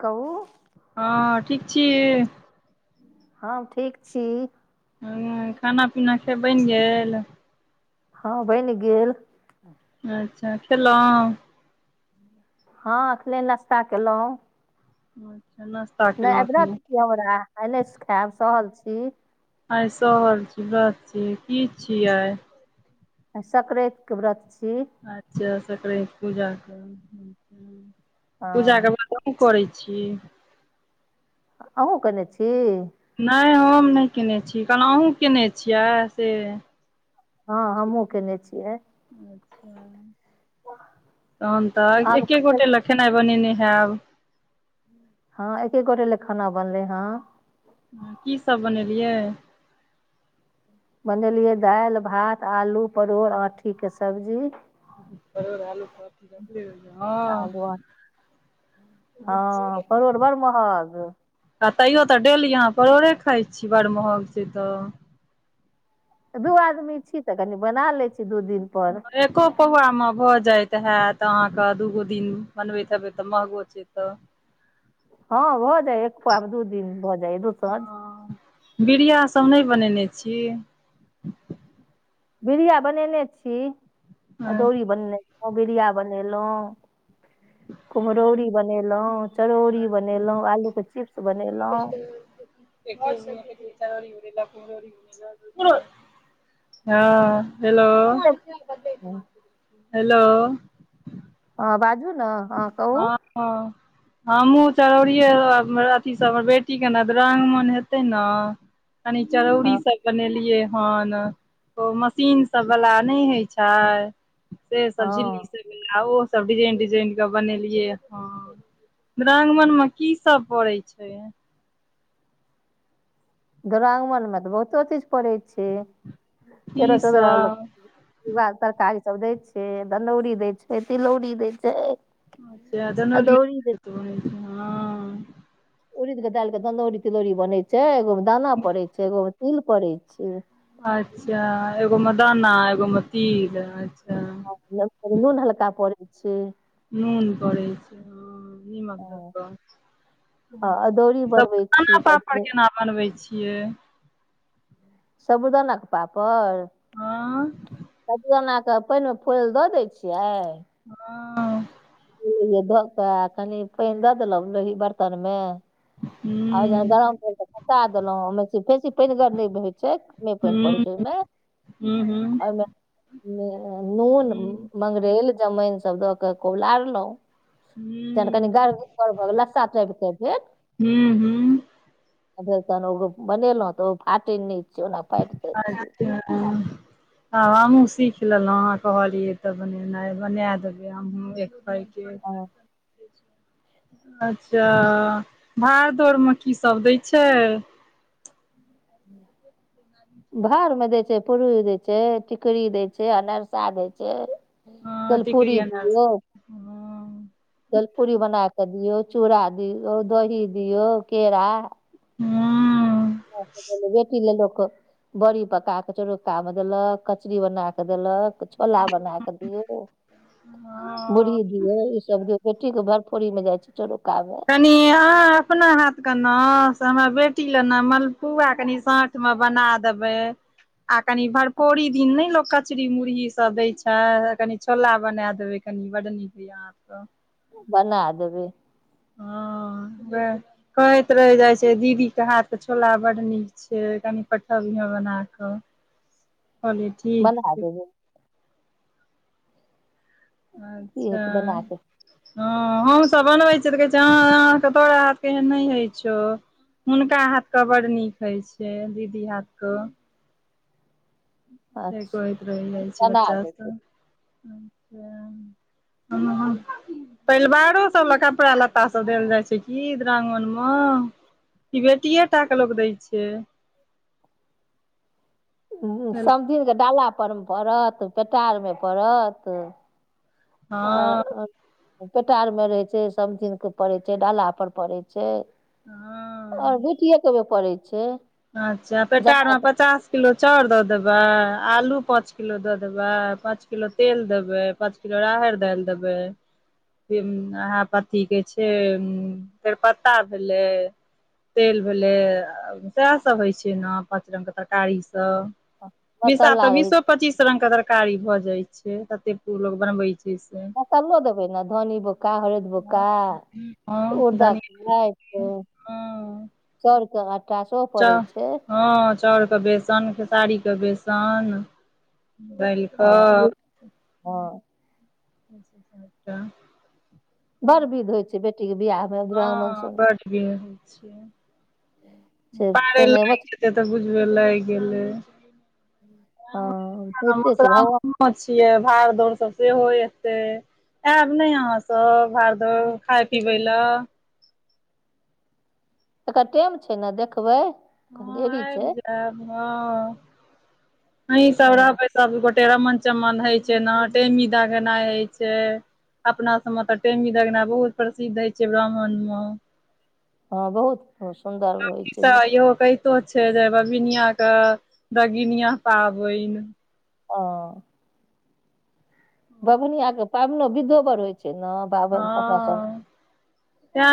कहू हँ ठीक छी? हं, ठीक छी। हूँ, खाना पीना सब बैन गेल? हँ, बनि गेल। अच्छा, खेलौं। हँ एखने नाश्ता केलौं। अच्छा नश्ता। नै आय वरत छी हमरा, नै खायब सहल छी। आय सहल छी वर्त छी की छी आइ। आय संक्रैत के व्रत छी। अच्छा संक्रैत पूजा के, पूजा के हँ बाद अहुं करै छी? अहूँ केने छी? नै हम नै केने छी कहलौ, अहूँ केने छियै से। हँ हमहुँ केने छियै। अच्छा तखन तऽ एके अहाँके गोटे ले खेनाइ बनेने हेब। हँ एके गोटे ले खाना बनलै हें। हूं की सब बनेलियै। बनेलियै दालि, भात, आलू, परोड़, आँठी के सब्जी परोर, आलू, आँठी के हँ। आ हँ परोड़ बड़ महग। आ तैयो तऽ डेली अहाँ डेली परोड़े खाइ छी बड़ महग छैय तऽ। दू आदमी छी तऽ कनी बना लेै छी दू दिन पर। एको पौआ मे भऽ जाइत हेऽत अहाँ के दूगो दिन बनबैत हेबै तऽ महगो से तऽ। हँ भऽ जाइये एक पौआ मे दू दिन भऽ जाइये। हं। बिड़िया सब नै बनेने छी। बीड़िया बनेने छी, हँ अदौरी बनेने छी बीड़िया बनेलौं। कुम्हरौरी बनेलौ, चरौरी बनेलौ, आलूके चिप्स बनेलौं। एक आय सुखेलियै चरौरी- मुरौरी। हँ हेलो। हेलो। हँ बाजू न हा के। ह -हँ। हमहुँ चरौरिये अथी हमर बेटी के ने दुरांगमन हेतै न। कनी चरौरी हँ सब। बनेलियै हन ओ मशीन सब बला नहि होय छै। से सब झिल्ली हँ तिल्ली सब ओ डिजाइन डिजाइन के। बनेलियै हँ दुरांगमन मे की सब पड़ै छै। दुरांगमन में तऽ बहुतो चीज पड़ै छै की तेरह चौदह। सब तरहक तरकारी सभ दै छै दनौरी दै छै तिलौरी दै छै। अच्छा अदौरी दै छै दनोरियो हँ। उड़िद के दाल के दनौरी तिलौरी बनय छै एगो में दाना पड़े छै एगो में तिल पड़े छै। अच्छा एगो मे दाना एगो मे तिल अच्छा। नून हल्का पड़ै छै। नून परै छै ह निमक द क। ह आदौरी बनबै छी त। त केना बनबै छियै। साबुदाना के पापड़। हँ साबूदानाके पानिमे फूलैले दऽ दै छियै। हँ। धऽ कऽ कनि पानि दऽ देलहु ओहि बर्तन मे। हूं। आ गरम पाइन द क। खसा देलहुॅं ओहिमे बेसी पानिगर नहि होइ छै कमे पानि पड़ै छै ओहिमे। हूं हूं। ओहिमे नून मंगरैल जमाइन सब दऽ के खूब लारलहुं। जखैन कनि हुँ गाढ़ लस्सा जेकाॅं भेल। हुँ हुँ तहन ओ बनेलहुं तऽ ओ फाटय नहि छै ओना फाटि जाय छै। [unintelligible] आब हमहुँ सीख लेलहुँ अहा कहलियै तऽ बनेनाइ बनाय देबै हमहुँ एक बेर। [inaudible] अच्छा भाड़ दौर मे की सब दै छै। [inaudible] भारमे दै छै पुरी दै छै टिकरी दै छै अनरसा दै छै। हँ दैल टिकरी पूरी अनार दियो। सब हँ दालपूड़ी बना के दियौ चूड़ा दिऔ दही दियऔ केरा। हँ। बेटी ले लोक। बड़ी पका क चोरुक्का मे देलक कचरी बना कऽ देलक। छोला बना कऽ दियौ। हँ मुरही दियौ ई सब दियौ बेटी के भरफोरी में जाय छै चोरुका में। कनि अहाँ अपना हाथके न से हमरा बेटी लऽ ने मलपुआ कनि साँठ। मे बना देबै। आ कनि भरफोरी दिन नै लोक कचरी मुरही सब दैय छै, कनी छोला बना देबै। कनी बडनीक होइये आहाके बना देबै। ह कहैत रहै जाइ छै दीदी के हाथ के छोला बड नीक होय छै कनि पठबिहें बना क [unintelligible] बन्हा देबै की अच्छा। हेतै बना कऽ हँ हमसभ बनबै छियै तऽ कहै छै अ-अहाँके तोरा हाथ के एहन नै होइ छौ हुनका हाथ कऽ बड नीक होइ छै दीदी हाथ कऽ से अच्छा कहैत रहै जाय छै बना बच्चा देबै सब ह ह [unintelligible] पैलवारो सब ल कपड़ा लत्ता सब देल जाइ छै की दुरागमन मं की बेटीए टा के लोक दै छै। हँ समधिन के डाला पर में पड़त पेटार में पड़त। और पेटार में रहै छै, समधिन के पड़ै छै, डाला पर पड़ै छै। और हँ बेटिये के ओई में पड़ै छै। अच्छा पेटार जमा में के पचास। पाँच किलो चाउर दऽ देबै आलू पाँच किलो दऽ देबै पाँच किलो तेल देबै राहैर दैल देबै अहाँ बति के छै तेरपत्ता भेलै तेल भेलै आ। सएह सब होय छै न पाँच रंग के तरकारी सब बीसा मसाला तऽ रहै बीसो छै पच्चीस रंग के कारी भऽ जाइ छै कत्ते पू लोक बनबै छै। मसल्लो देबै ने धनी बुक्का हरैद बुक्का [unintelligible] छै से हं उड़दा ह के राइट, हँ। चाउर कऽ हाट चाउ हँ चाउर के बेसन खेसारी के बेसन दैल। हँ हँ। से [unintelligible] क्या बड़ बिध होइ छै, बेटी के बियाह में दुरागमन सब में। इएह होइ छै। से पारे तेना मछ लाइग जेतै तऽ बुझबै लाइग गेलै हँ ब्राह्मण के तऽ होइते छै भगवान मोसरामनियो में पछियै भाड़-दौड़ सब सेहो एतै एब नै अहाँ सब भाड़-दौड़ खाय-पीबै लै। तकर टेम छै न देखबै देरी हँ ऐब छै जैब हँ अहीं सब हँ रहबै सबगोटे रमन-चमन होई छै न टेमी दगनाय होय छै। अपना सब मं तऽ टेमी दगना बहुत प्रसिद्ध हय छै ब्राह्मण मं हँ बहुत खूब सुन्दर होइ सखी छै सब नीक ईहो कैह [unintelligible] कहितो छै जे बभिनिया कऽ दगिनिया पाबैन। औ बभनियां के पाबैनो विधो बर होइ छै न। पाबैन अपना सब, हँ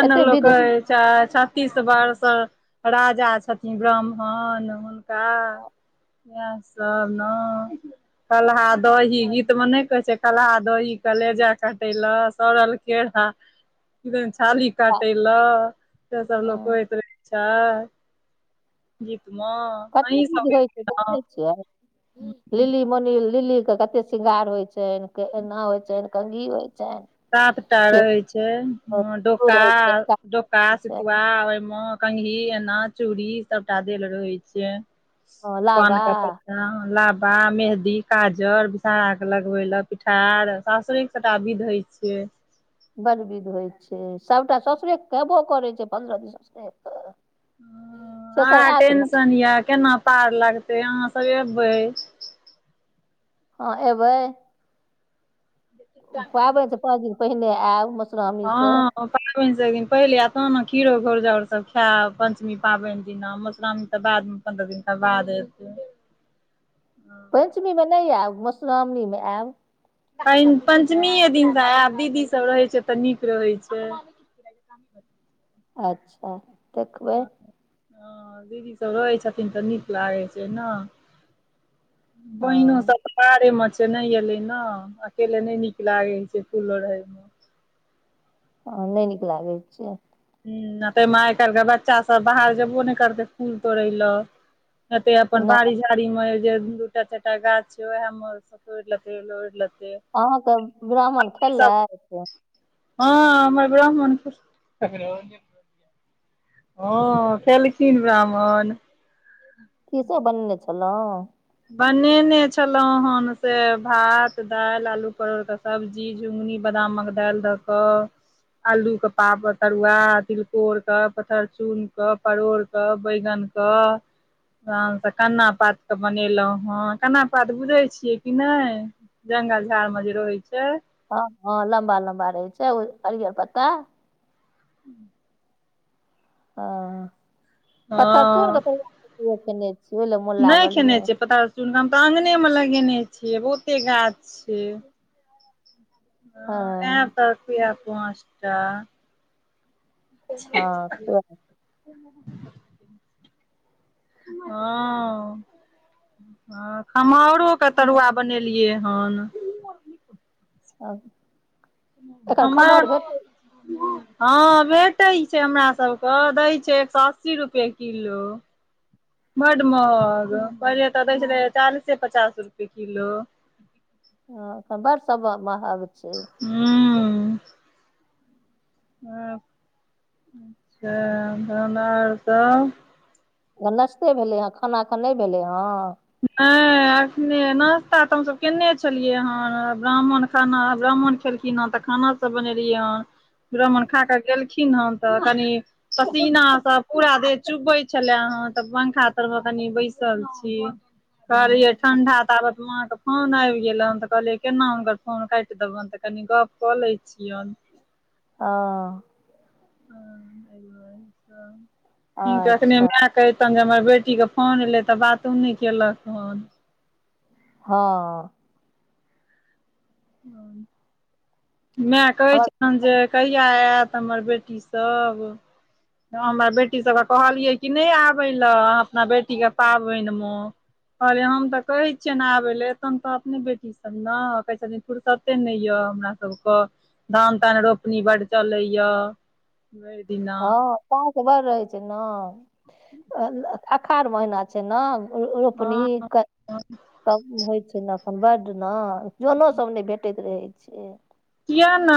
एते बिध अच्छा, छत्तीस बार तऽ राजा छथिन ब्राह्मण हुनका इएह सब न। कलहा दही गीत में नै कहै छै कलहा दही कलेजा कटेलक। सड़ल केरा साली ह काटे ल, से सब लोक कहैत रहै छै गीत मे। कते अहीं विध सब होइ छै गेबै देखै छियै, लिली बनील लिली के कते शृंगार होइ छैन, एना होइ छैन, कंघी होइ छैन सात टा रहे छैन, डोका, होइ छनि, डोका होइ छै सतुआ ओहिमे कंघी, एना, चूड़ी सबटा देल रहै छैन, हँ, पान लाबा के लाबा, मेहदी, काजर, बिषहरा के लगबै ले पिठार, सासुर सबटा विधे छियै। बड़ विध होइ छै, सबटा ससुरे खेबो करै छै पन्द्रह दिन ससुरे तऽ हं अहां टेंशन ये, केना पार लगतै, अहाँ त एबै हँ एबै? पाबनि से पाँच दिन पहिने आयब मधुश्रावणी से हां। पाबैन से एक दिन पहिले आएब तहन ने खीरो घौर जौर सब खाएब पंचमी पाबैन दिना मोश्रामणि तऽ बादमे पन्द्रह दिनका बाद पेंचमी मे नै आएब, माेश्रामनी मे आएब। पेन पंचमिये दिन से आएब, दीदी सब रहै छै तऽ नीक रहै छै। अच्छा देखबै। हां दीदी सब रहै छथिन तऽ नीक लागै छै ना। बहिनो हँ सब बाहरे मे छै ने एलै ना, अकेले नै नीक लागै छै फूललोढ़े में। हं नै नीक लागै छै। ह ताहिमे आइ काल्हिके बच्चा सब बाहर जेबो नहि करतै फूल तोड़य ले। एतै अपन नहि बारी मे झाड़ी में जे दू टा चारि टा गाछ छै वैह मे तोड़ि लेतै लोढि लेतै। अहाँके ब्राह्मण खेलक? हँ हमर ब्राह्मण पुर तर [unintelligible] हँ खेलखिन ब्राह्मण। की सब बनेने छलहुँ। बनेने छलहुँ हेँ से भात दालि आलू परोरके सब्जी, झिुङ्गुनी बादामक दालि दऽ कऽ आलू के पापड़ के तरुआ, तिलकोर के, पथरचुर के, परोर के, बैगन सँ, तखैन से कन्नाा पात के बनेलौ हाँ कना पात बुझै छियै कि नै जंगल झाड़ मे जे रहै छै। हँ- हँ लम्बा- लम्बा रहै छै, ओ हरियर पत्ता [inaudible] हां पत्थर चूर हँ [unintelligible] मोन नहि लागल खेने यऽ छै पता अछि हम तऽ अंगने मे लगेने छियै बहुते गाछ छै। हां हँ आएब त अथी या पाँचटा। हँ [unintelligible] हां। हां खम्होरो के तरुआ बनेलियै हन। अब हमर हां भेटै छै हमरा सबके, दै छै एक सौ अस्सी रुपया किलो। बड महग पहिले तऽ दै छलै अय चालीसे पचास रुपए किलो। हँ तऽ बड़ सबऽ महग छै। हूँऽ। अ अच्छा तहन और सब नाश्ते भेलै हे, खाना अखन नहि भेलै हँ। नहि एखने नास्ता तऽ हमसब केने छलियै हन, ब्राह्मण खाना ब्राह्मण छलखिन हेँ तऽ खाना सब बनेलियै हेँ ब्राह्मण खा क गेलखिन हेन तऽ कनि सपीना सऽ पूरा देह। चुबेै छेल्ला हन तऽ पंखा तर मे कनि बैसल छी। कहलियै ठण्डा ताबत माँके फोन आबि गेलै तऽ कहलियै केना हुनकर फोन काटि देबनि त कनी गप कऽ लै छियनि। हं। [unintelligible] अच्छा कहितहुं जे हमर बेटीके फोन एयलै तऽ बातो नहि केलक हन। हँ। माय कहै हमर छलनि जे कही किया आयत हमर बेटी सब। हमरा बेटी सबके कहलियै कि नहि आबय ले अपना बेटीके पाबनि मे। कहलियै हम तऽ कहै छियनि आबै ले एखन तऽ अपने बेटी छै ने कहै छथिन फुुरसते नहि यऽ हमरा सबके, धान तान रोपनी बड चलै ये भरि दिना। हँ पास बड रहै छै ने अखाढ़ महीना छै ने। रोपनी हँ कते काज होइ छै ने एखन बड ने जनो सब नहि भेटैत रहै छै। किया नै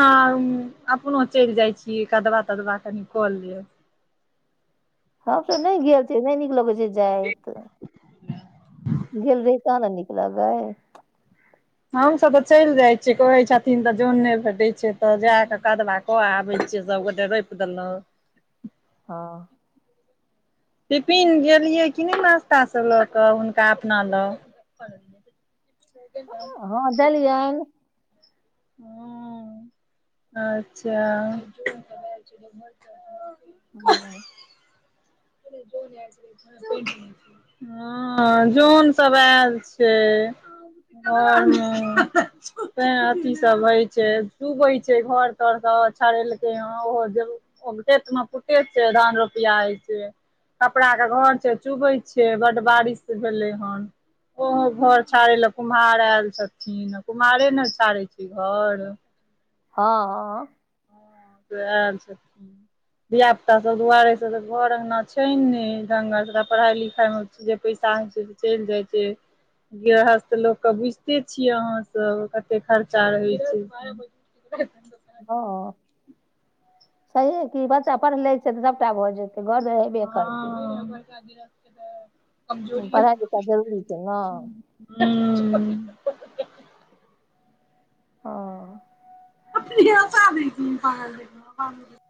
अपनो चल जाइ छीयै, कदवा-तदवा कनि कऽ लेब। हम तै नै गेल छियै, नै नीक लगै छै जाएत। गेल रही तहन न निक लगय। हम सब तऽ चैल जाइ छियै कहै छथिन तऽ जौन नै भेटै छै तऽ जाय कऽ कदबा कऽ आबै छियै सबगोटे रोप देलौ। हां। टिफिन गेलियै कि नै नास्ता सब लऽ कऽ हुनका अपना लग। [inaudible] हां दलियैन। हां। अच्छा। हम्हु। हे रे जौन ऐल छलै [unintelligible] हां जौन सब ऐल छै। हां-हां तें अथी सब हय छै, चुबै छै घर-तर सब छरेलकै हें उहो जरूर ओे खेत में [unintelligible] छै, धान रोपैया होइ छै। खपड़ा के घर छै, चुबै छै, बड बारिश भेलै हन। ओहो घर छाड़ै लए कुम्हार ऐल छथिन आ कुम्हारे ने छाड़ै छै ई घर। हां-हां। हां से ऐल छथीन। धिया पुता सब दुआरे से त घर अंगना छै नै ढंगर सबटा पढ़ाई लिखाई मे छै जे पैसा होइ छै से चैल जाइ छै। गृहस्थ लोक के बुझते छियै अहाँ सब कते खर्चा रहै छै। हां छहिए कि बच्चा पढ़ लै छै तऽ सबटा भऽ जेतै घर तै हेबे करतै हां-हां। पढ़ाइ लिखाइ जरूरी छै नै। हूॅं। हां। न्योता दै छी, [unintelligible]